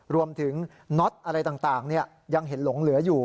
น็อตอะไรต่างยังเห็นหลงเหลืออยู่